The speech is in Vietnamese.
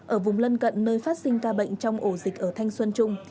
ở vùng lân cận nơi phát sinh ca bệnh trong ổ dịch ở thanh xuân trung